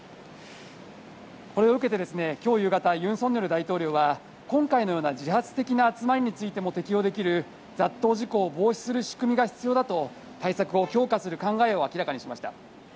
これを受けて今日夕方、尹錫悦大統領は今回のような自発的な集まりについても適用できる、雑踏事故を防止する仕組みが必要だと対策を強化する考えを明らかにしました。